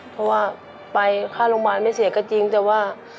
เพราะว่าไปค่าโรงพยาบาลไม่เสียก็จริงแต่ว่า